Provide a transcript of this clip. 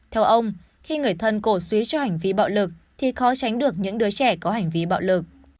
theo ông khi người thân cổ suý cho hành vi bạo lực thì khó tránh được những đứa trẻ có hành vi bạo lực